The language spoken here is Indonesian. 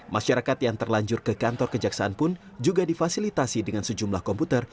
masyarakat yang terlanjur ke kantor kejaksaan pun juga difasilitasi dengan sejumlah komputer